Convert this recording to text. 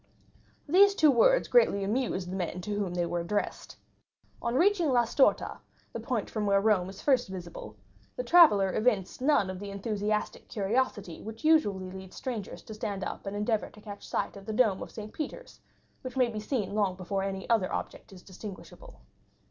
These two words greatly amused the men to whom they were addressed. On reaching La Storta, the point from whence Rome is first visible, the traveller evinced none of the enthusiastic curiosity which usually leads strangers to stand up and endeavor to catch sight of the dome of Saint Peter's, which may be seen long before any other object is distinguishable.